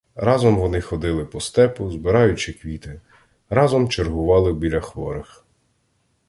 Разом вони ходили по степу, збираючи квіти, разом чергували біля хворих.